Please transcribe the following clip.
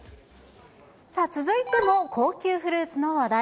続いても高級フルーツの話題。